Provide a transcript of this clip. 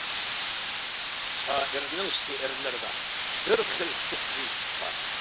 شائىرنىڭ شېئىرلىرىدا بىر خىل سېھرى كۈچ بار.